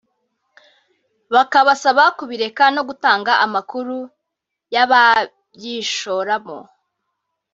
bakabasaba kubireka no gutanga amakuru y’ababyishoramo